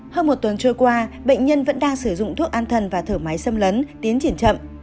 hơn một tuần trôi qua bệnh nhân vẫn đang sử dụng thuốc an thần và thở máy xâm lấn tiến triển chậm